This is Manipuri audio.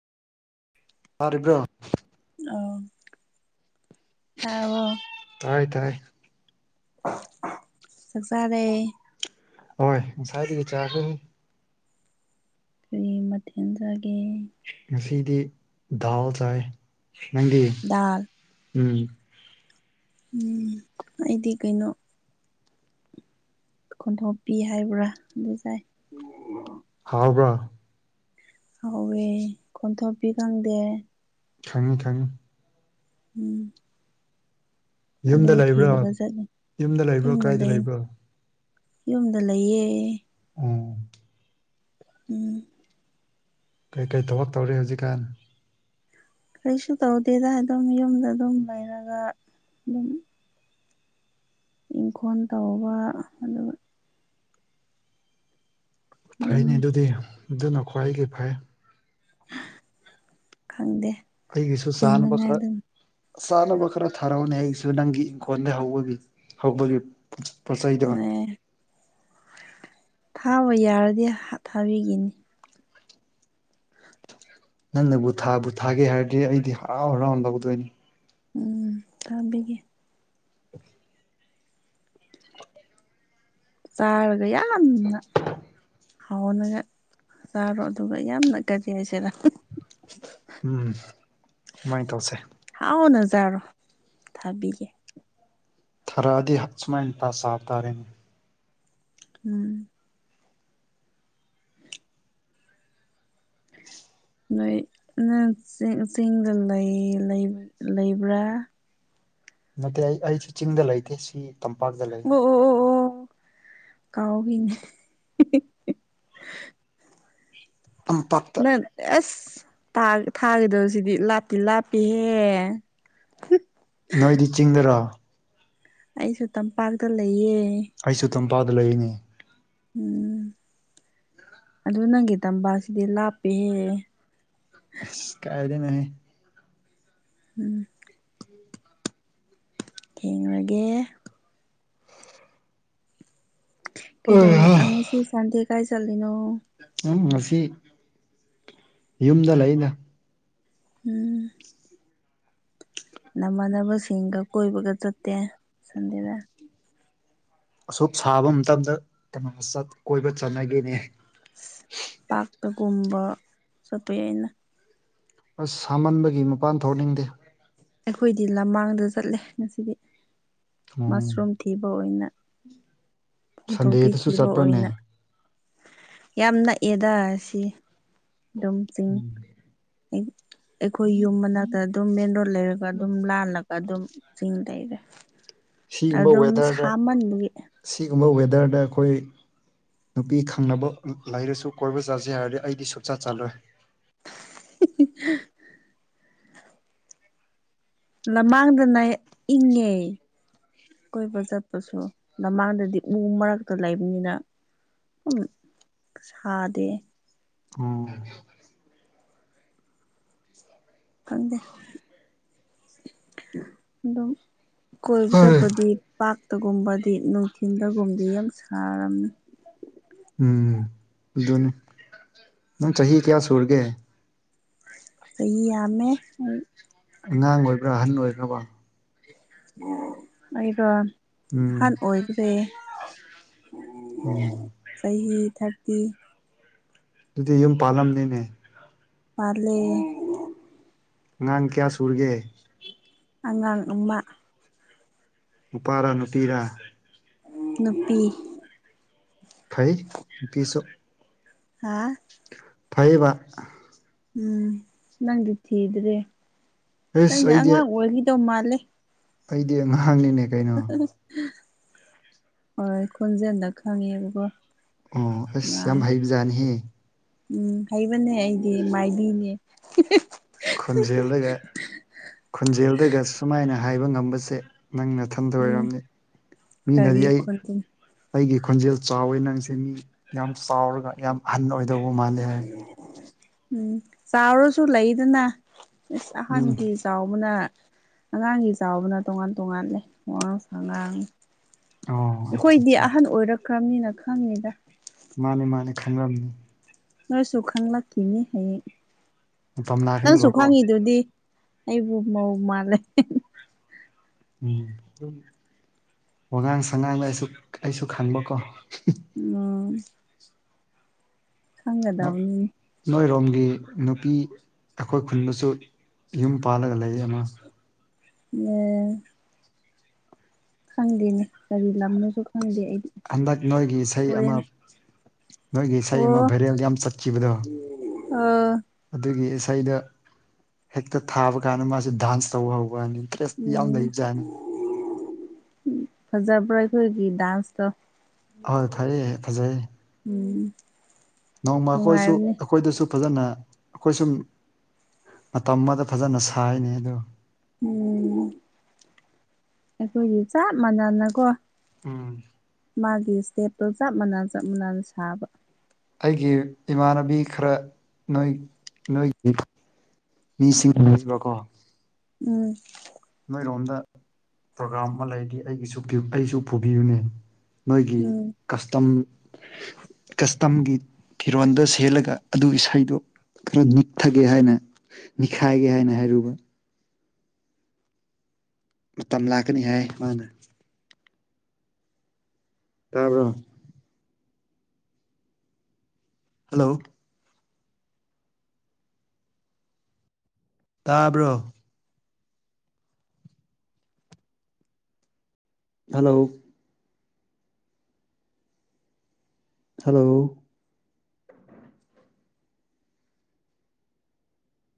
ꯇꯥꯔꯤꯕ꯭ꯔꯣ ꯑꯣ ꯇꯥꯔꯕꫭ ꯇꯥꯏ ꯇꯥꯏ ꯆꯥꯛ ꯆꯥꯔꯦ ꯍꯣꯏ ꯉꯁꯥꯏꯗꯒꯤ ꯆꯥꯔꯦ ꯀꯔꯤ ꯃꯊꯦꯟ ꯆꯥ ꯉꯁꯤꯗꯤ ꯗꯥꯜ ꯆꯥꯏ ꯅꯪꯗꯤ ꯗꯥꯜ ꯎꯝ ꯎꯝ ꯑꯩꯗꯤ ꯀꯩꯅꯣ ꯈꯣꯟꯊꯣꯛꯄꯤ ꯍꯥꯏꯕ꯭ꯔꯥ ꯑꯗꯨ ꯆꯥꯏ ꯍꯥꯎꯕ꯭ꯔꯥ ꯍꯥꯎꯋꯦ ꯈꫭꯟꯊꯣꯛꯄꯤ ꯈꯪꯗꯦ ꯈꯪꯉꯤ ꯈꯪꯉꯤ ꯎꯝ ꯑꯗꯨ ꯌꯨꯝꯗ ꯂꯩꯕ꯭ꯔꯥ ꯊꯤꯔꯒ ꯆꯠꯂꯤ ꯂꯩꯕ꯭ꯔꯣ ꯌꯨꯝꯗ ꯀꯥꯏꯗ ꯂꯩꯅꯤ ꯂꯩꯕ꯭ꯔꯣ ꯌꯨꯝꯗ ꯂꯩꯌꯦ ꯎꯝ ꯎꯝ ꯀꯩꯀꯩ ꯊꯕꯛ ꯇꯧꯔꯤ ꯍꯧꯖꯤꯛꯀꯥꯟ ꯀꯔꯤꯁꯨ ꯇꯧꯗꯦꯗ ꯑꯗꯨꯝ ꯌꯨꯝꯗ ꯑꯗꯨꯝ ꯂꯩꯔꯒ ꯑꯗꯨꯝ ꯏꯪꯈꯣꯜ ꯇꯧꯕ ꯑꯗꯨꯒ ꯑꯗꯨꯝ ꯐꯩꯅꯤ ꯑꯗꯨꯗꯤ ꯑꯗꯨꯅ ꯈ꯭ꯋꯥꯏꯗꯒꯤ ꯐꯩ ꯈꯪꯗꯦ ꯑꯩꯒꯤꯁꯨ ꯆꯥꯅꯕ ꯍꯤꯡꯅꯉꯥꯏ ꯈꯔ ꯑꯗꯨꯝ ꯆꯥꯅꯕ ꯈꯔ ꯊꯥꯔꯛꯎꯅꯦ ꯑꯩꯁꯨ ꯅꯪꯒꯤ ꯏꯪꯈꯣꯜꯗ ꯍꯧꯕꯒꯤ ꯍꯧꯕꯒꯤ ꯄꯣꯠ ꯆꯩ ꯗꫭ ꯑꯦ ꯊꯥꯕ ꯌꯥꯔꯗꯤ ꯊꯥꯕꯤꯈꯤꯅꯤ ꯅꯪ ꯅꯕꯨ ꯊꯥꯕꯨ ꯊꯥꯒꯦ ꯍꯥꯏꯔꯗꯤ ꯑꯩꯗꯤ ꯍꯔꯥꯎ ꯍꯔꯥꯎꯅ ꯂꯧꯗꯣꯏꯅꯤ ꯎꯝ ꯊꯥꯕꯤꯒꯦ [inaudible] ꯆꯥꯎꯔꯦ ꯌꯥꯝꯅ꯫ ꯍꯥꯎꯅꯒ ꯆꯥꯔꯣ ꯑꯗꯨꯒ ꯌꯥꯝꯅ ꯀꯔꯤ ꯍꯥꯏꯁꯤꯔ ꯎꯝ ꯑꯖꯨꯃꯥꯏ ꯇꯧꯁꯦ꯫ ꯍꯥꯎꯅ ꯆꯥꯔꯣ ꯊꯥꯕꯤꯒꯦ꯫ ꯊꯔꯥꯗꯤ ꯍꯛ ꯁꯨꯃꯥꯏꯅ ꯍꯥ ꯁꯥꯞꯇꯔꯦꯅꯦ꯫ ꯎꯝ [unintelligible] ꯅꯣꯏ ꯅꯣꯏ ꯆꯤꯡ ꯆꯤꯡꯗ ꯂꯩ ꯂꯩꯕ꯭ꯔꯥ꯫ ꯅꯠꯇꯦ ꯑꯩ ꯑꯩꯁꯤ ꯆꯤꯡꯗ ꯂꯩꯇꯦ ꯁꯤ ꯇꯝꯄꯥꯛꯇ ꯂꯩ꯫ ꯀꯥꯎꯒꯤꯅꯦ [unintelligible] ꯇꯝꯄꯥꯛꯇ ꯅꯪꯗꯦ ꯑꯁ ꯇꯥ ꯊꯥꯒꯗꯧ ꯁꯤꯗꯤ ꯂꯥꯞꯇꯤ ꯂꯥꯞꯄꯤꯍꯦ꯫ ꯅꯣꯏꯗꯤ ꯆꯤꯡꯗꯔꯣ꯫ ꯑꯩꯁꯨ ꯇꯝꯄꯥꯛꯇ ꯂꯩꯌꯦ꯫ ꯑꯩꯁꯨ ꯇꯝꯄꯥꯗ ꯂꯩꯔꯤꯅꯤ꯫ ꯎꯝ ꯑꯗꯨ ꯅꯪꯒꯤ ꯇꯝꯕꯥꯁꯤꯗꯤ ꯂꯥꯞꯄꯦꯍꯦ꯫ ꯑꯁ ꯀꯥꯏꯗꯩꯅꯣ ꯍꯦ꯫ ꯎꯝ ꯊꯦꯡꯉꯒꯦ꯫ ꯀꯩꯗꯧꯔ ꯑꯩꯍꯥ ꯑꯉ ꯁꯤ ꯁꯥꯟꯗꯦ ꯀꯥꯏ ꯆꯠꯂꯤꯅꯣ꯫ ꯎꯝ ꯉꯁꯤ ꯌꯨꯝꯗ ꯂꯩꯅ꯫ ꯎꯝ ꯅꯃꯥꯟꯅꯕꯁꯤꯡꯒ ꯀꯣꯏꯕꯒ ꯆꯠꯇꯦ ꯁꯟꯗꯦꯗ꯫ ꯑꯁꯨ ꯁꯥꯕ ꯃꯇꯝꯗ ꯀꯥꯅꯥ ꯆꯠ ꯀꯣꯏꯕ ꯆꯠꯅꯒꯦꯅꯦ꯫ ꯄꯥꯛꯇꯒꯨꯝꯕ ꯆꯠꯄ ꯌꯥꯏꯅ꯫ ꯑꯁ ꯁꯥꯃꯟꯕꯒꯤ ꯃꯄꯥꯟ ꯊꯣꯛꯅꯤꯡꯗꯦ꯫ ꯑꯩꯈꯣꯏꯗꯤ ꯂꯝꯃꯥꯡꯗ ꯆꯠꯂꯦ ꯉꯁꯤꯗꯤ ꯎꯝ ꯃꯁꯔꯨꯝ ꯊꯤꯕ ꯑꯣꯏꯅ꯫ ꯐꯣꯡꯗꯣꯛꯄꯤ ꯁꯟꯗꯦꯗꯁꯨ ꯊꯤꯕ ꯆꯠꯄ꯭ꯔꯅꯦ ꯑꯣꯏꯅ ꯌꯥꯝ ꯅꯛꯑꯦꯗ ꯁꯤ ꯑꯗꯨꯝ ꯆꯤꯡ ꯎꯝ ꯑꯩꯈꯣꯏ ꯌꯨꯝ ꯃꯅꯥꯛꯇ ꯑꯗꯨꯝ ꯃꯦꯟ ꯔꯣꯠ ꯂꯩꯔꯒ ꯑꯗꯨꯝ ꯂꯥꯜꯂꯒ ꯑꯗꯨꯝ ꯆꯤꯡ ꯂꯩꯔꯦ ꯑꯗꯨꯝ ꯁꯥꯃꯟꯕꯒꯤ ꯀꯔꯝꯕ ꯋꯦꯗꯔꯗ ꯑꯩꯈꯣꯏ ꯅꯨꯄꯤ ꯈꯪꯅꯕ ꯂꯩꯔꯁꯨ ꯀꯣꯏꯕ ꯆꯠꯖꯦ ꯍꯥꯏꯔꯗꯤ ꯑꯩꯗꯤ ꯁꯨꯛꯆꯠ ꯆꯠꯂꯣꯏ꯫ [unintelligible] ꯅꯃꯥꯡꯗꯅ ꯏꯪꯉꯦ꯫ ꯀꯣꯏꯕ ꯆꯠꯄꯁꯨ ꯅꯃꯥꯡꯗꯗꯤ ꯎ ꯃꯔꯛꯇ ꯂꯩꯕꯅꯤꯅ ꯎ ꯁꯥꯥꯗꯦ꯫ ꯎꯝ ꯈꯪꯗꯦ ꯑꯗꯨꯗꯝ ꯀꯣꯏꯕ ꯆꯠꯄꯗꯤ ꯄꯥꯛꯇꯒꯨꯝꯕꯗꯤ ꯅꯨꯡꯊꯤꯟꯗꯒꯨꯝꯕꯤ ꯌꯥꯝꯅ ꯁꯥꯔꯝꯃꯤ꯫ ꯎꯝ ꯑꯗꯨꯅꯤ ꯅꯪ ꯆꯍꯤ ꯀꯌꯥ ꯁꯨꯨꯔꯒꯦ꯫ ꯑꯩ ꯌꯝꯃꯦ꯫ ꯑꯉꯥꯡ ꯑꯣꯏꯕ꯭ꯔ ꯑꯍꯟ ꯑꯣꯏꯕ꯭ꯔ ꯑꯣ꯫ ꯑꯩꯗꯣ ꯎꯝ ꯑꯍꯥꯟ ꯑꯣꯏꯕꯗꯦ꯫ ꯎꯝ ꯆꯍꯤ ꯊ꯭ꯔꯥꯇꯤ꯫ ꯑꯗꯨꯗꯤ ꯌꯨꯝ ꯄꯥꯜꯂꯝꯅꯤꯅꯦ꯫ ꯄꯥꯜꯂꯦ꯫ ꯑꯉꯥꯡ ꯀꯌꯥ ꯁꯨꯔꯒꯦ꯫ ꯑꯉꯥꯡ ꯑꯃ꯫ ꯅꯨꯄꯥꯔ ꯅꯨꯄꯤꯔꯥ꯫ ꯅꯨꯄꯤ꯫ ꯐꯩ ꯅꯨꯄꯤꯁꯨ꯫ ꯍꯥ꯫ ꯐꯩꯕ꯫ ꯎꯝ ꯅꯪꯗꯤ ꯊꯤꯗ꯭ꯔꯦ꯫ ꯑꯁ ꯑꯩꯗꯤ [unintelligible] ꯑꯩꯗꯤ ꯑꯉꯥꯡꯅꯤꯅꯦ ꯀꯩꯅꯣ꯫ ꯍꯣꯏ ꯈꯣꯟꯖꯦꯜꯗ ꯈꯪꯉꯦꯕꯀꯣ꯫ ꯑꯣ ꯑꯁ ꯌꯥꯝ ꯑꯥ ꯍꯩꯕ ꯎꯝ ꯍꯩꯕꯅꯦ ꯑꯩꯗꯤ ꯃꯥꯏꯕꯤꯅꯦ꯫ ꯈꯟꯖꯦꯜꯗꯒ ꯈꯟꯖꯦꯜꯗꯒ ꯁꯨꯃꯥꯏꯅ ꯍꯥꯏꯕ ꯉꯝꯕꯁꯦ꯫ ꯅꯪ ꯅꯊꯟꯗ ꯎꯝ ꯑꯣꯏꯔꯝꯅꯤ ꯃꯤꯅꯗꯤ ꯀꯔꯤ ꯑꯩ ꯈꯣꯟꯖꯦꯜ ꯑꯩꯒꯤ ꯈꯣꯟꯖꯦꯜ ꯆꯥꯎꯋꯦ ꯅꯪꯁꯦ ꯃꯤ ꯌꯥꯝ ꯆꯥꯎꯔꯒ ꯌꯥꯝ ꯑꯍꯟ ꯑꯣꯏꯗꯧꯕ ꯃꯥꯜꯂꯦ ꯍꯥꯏ꯫ ꯎꯝ ꯆꯥꯎꯔꯁꯨ ꯂꯩꯗꯅ ꯏꯁ ꯎꯝ ꯑꯍꯥꯟꯕꯒꯤ ꯆꯥꯎꯕꯅ꯫ ꯑꯉꯥꯡꯒꯤ ꯆꯥꯎꯕꯅ ꯇꯣꯉꯥꯟ ꯇꯣꯉꯥꯟ ꯂꯩ ꯋꯥꯉꯥꯡ ꯁꯉꯥꯡ꯫ ꯑꯣ ꯑꯠꯆꯥ ꯑꯩꯈꯣꯏꯗꯤ ꯑꯠꯆꯥ ꯑꯍꯟ ꯑꯣꯏꯔꯛꯈ꯭ꯔꯕꯅꯤꯅ ꯈꯪꯉꯤꯗ꯫ ꯃꯥꯅꯤ ꯃꯥꯅꯤ ꯈꯟꯔꯝꯅꯤ꯫ ꯅꯣꯏꯁꯨ ꯈꯪꯂꯛꯈꯤꯅꯤ ꯍꯌꯦꯡ ꯃꯇꯝ ꯅꯪꯁꯨ ꯂꯥꯛꯀꯅꯤꯕꯀꯣ ꯈꯪꯉꯤꯗꯨꯗꯤ꯫ ꯑꯩꯕꯨ ꯃꯣ ꯃꯥ ꯂꯩꯦ꯫ ꯎꯝ ꯋꯥꯉꯥꯡ ꯁꯉꯥꯡꯗ ꯑꯩꯁꯨ ꯑꯩꯁꯨ ꯈꯪꯕꯀꯣ꯫ ꯎꯝ꯫ ꯈꯪꯒꯗꯧꯅꯤ꯫ ꯑꯩꯒꯤ ꯅꯨꯄꯤ ꯑꯩꯈꯣꯏ ꯈꯨꯟꯗꯁꯨ ꯌꯨꯝ ꯄꯥꯜꯂꯒ ꯂꯩ ꯑꯃ꯫ ꯎꯝ꯫ ꯈꯪꯗꯦꯅꯦ ꯒꯥꯔꯤ ꯂꯝꯅꯣꯁꯨ ꯈꯪꯗꯦ꯫ ꯑꯩꯗꯤ ꯍꯟꯗꯛ ꯅꯣꯏꯒꯤ ꯏꯁꯩ ꯑꯃ꯫ ꯍꯣꯔꯦꯟ ꯅꯣꯏꯒꯦ ꯏꯁꯩ ꯑꯃ ꯑꯣ ꯕꯥꯏꯔꯦꯜ ꯌꯥꯝ ꯆꯠꯈꯤꯕꯗꯣ꯫ ꯑꯥ꯫ ꯑꯗꯨꯒꯤ ꯏꯁꯩꯗ ꯍꯦꯛꯇ ꯊꯥꯕ ꯀꯥꯟꯗ ꯃꯥꯁꯦ ꯗꯥꯟꯁ ꯇꯧꯕ ꯍꯧ꯫ ꯅꯤ ꯏꯟꯇꯔꯦꯁꯇꯤ ꯌꯥꯝꯎ ꯂꯩꯖꯅꯤ꯫ ꯎ ꯐꯖꯔ ꯑꯩꯈꯣꯏꯒꯤ ꯗꯥꯟꯁ ꯇ꯫ ꯑꯍꯣꯏ ꯐꯩꯌꯦ ꯐꯖꯩ ꯎꯝ꯫ ꯅꯣꯡꯃ ꯑꯩꯈꯣꯏꯁꯨ ꯅꯨꯡꯉꯥꯏꯕꯅꯦ ꯑꯩꯈꯣꯏꯗꯁꯨ꯫ ꯐꯖꯅ ꯑꯩꯈꯣꯏ ꯁꯨꯝ ꯃꯇꯝ ꯑꯃꯗ ꯐꯖꯅ ꯁꯥꯏꯅꯤ ꯑꯗ꯫ ꯎꯝ ꯑꯩꯈꯣꯏꯒꯤ ꯆꯞ ꯃꯥꯟꯅꯅꯀꯣ꯫ ꯎꯝ꯫ ꯃꯥꯒꯤ ꯏꯁꯇꯦꯞꯇ ꯆꯞ ꯃꯅ ꯆꯞ ꯃꯥꯟꯅꯅ ꯁꯥꯕ꯫ ꯑꯩꯒꯤ ꯏꯃꯥꯟꯅꯕꯤ ꯈꯔ ꯅꯣꯏ ꯅꯣꯏꯒꯤ꯫ ꯃꯤꯁꯤꯡ ꯎꯕꯀꯣ꯫ ꯎꯝ꯫ ꯅꯣꯏꯔꯣꯝꯗ ꯄ꯭ꯔꯣꯒꯥꯝ ꯑꯃ ꯂꯩꯗꯤ ꯑꯩꯒꯤꯁꯨ ꯑꯩꯁꯨ ꯄꯨꯕꯤꯌꯨꯅꯦ꯫ ꯅꯣꯏꯒꯤ ꯎꯝ ꯀꯁꯇꯝ꯫ [inaudible] ꯀꯁꯇꯝꯒꯤ ꯐꯤꯔꯣꯟꯗ ꯁꯦꯂꯒ ꯑꯗꯨ ꯏꯁꯩꯗꯨ꯫ ꯈꯔ ꯅꯤꯛꯊꯒꯦ ꯍꯥꯏꯅ ꯅꯤꯈꯥꯏꯒꯦ ꯍꯥꯏꯅ ꯍꯥꯏꯔꯨꯕ꯫ ꯃꯇꯝ ꯂꯥꯛꯀꯅꯤ ꯍꯥꯏ ꯃꯥꯅ꯫ ꯇꯥꯕ꯭ꯔꯣ꯫ ꯍꯜꯂꯣ꯫ ꯇꯥꯕ꯭ꯔꯣ꯫ Hello hello